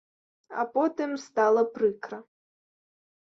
А потым стала прыкра.